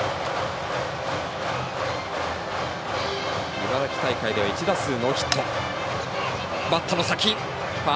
茨城大会では１打数ノーヒット。